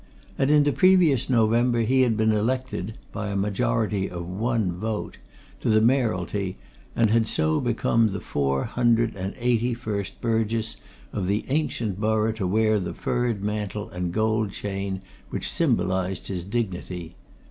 And in the previous November he had been elected by a majority of one vote to the Mayoralty and had so become the four hundred and eighty first burgess of the ancient borough to wear the furred mantle and gold chain which symbolized his dignity.